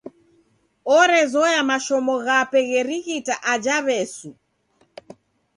Orezoya mashomo ghape gherighita aja W'esu.